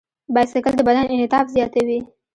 بایسکل د بدن انعطاف زیاتوي.